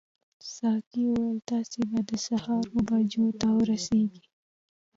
ساقي وویل تاسي به د سهار اوو بجو ته ورسیږئ.